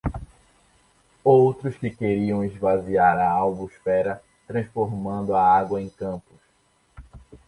Outros que queriam esvaziar a Albufera transformando a água em campos!